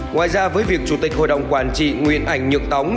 ngoài ra với việc chủ tịch hội đồng quản trị nguyễn ảnh nhượng tóng